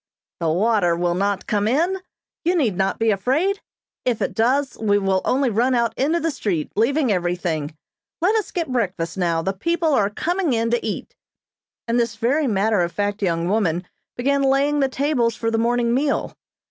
"The water will not come in. You need not be afraid. If it does, we will only run out into the street, leaving everything. Let us get breakfast now, the people are coming in to eat," and this very matter of fact young woman began laying the tables for the morning meal.